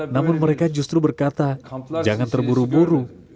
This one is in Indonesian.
namun mereka justru berkata jangan terburu buru